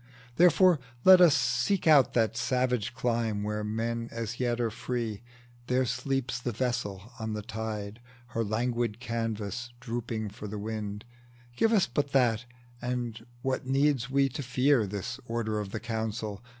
Therefore let us Seek out that savage clime, where men as yet Are free: there sleeps the vessel on the tide, Her languid canvas drooping for the wind; Give us but that, and what need we to fear This Order of the Council?